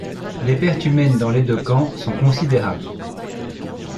Les pertes humaines dans les deux camps sont considérables.